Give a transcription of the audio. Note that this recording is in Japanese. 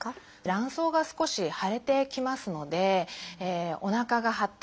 卵巣が少し腫れてきますのでおなかが張ったりだとか